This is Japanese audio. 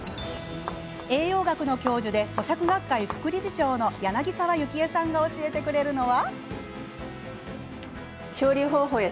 栄養学の教授で咀嚼学会副理事長の柳澤幸江さんが教えてくれるのは？